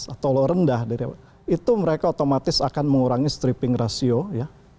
atau low rendah itu mereka otomatis akan mengurangi stripping ratio ya